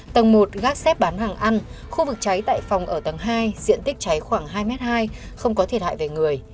tầng một gác xếp bán hàng ăn khu vực cháy tại phòng ở tầng hai diện tích cháy khoảng hai m hai không có thiệt hại về người